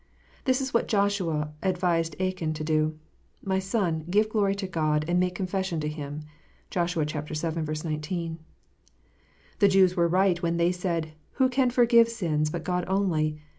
This is what Joshua advised Achan to do : "My son, give glory to God, and make confession to Him." (Josh. vii. 19.) The Jews were right when they said, " Who can forgive sins but God only